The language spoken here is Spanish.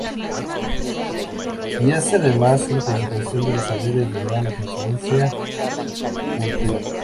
Y hace además una clasificación de los saberes de gran trascendencia ulterior.